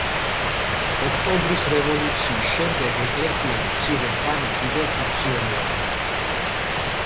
ოქტომბრის რევოლუციის შემდეგ ეკლესია მცირე ხანი კიდევ ფუნქციონირებდა.